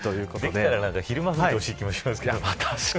できたら、昼間吹いてほしい気もしますけど。